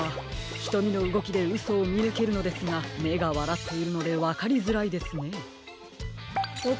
ひとみのうごきでうそをみぬけるのですがめがわらっているのでわかりづらいですね。